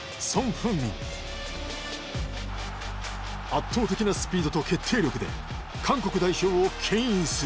圧倒的なスピードと決定力で韓国代表をけん引する。